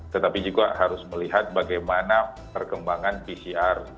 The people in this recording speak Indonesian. tetapi juga harus melihat bagaimana perkembangan pcr